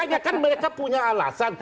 makanya kan mereka punya alasan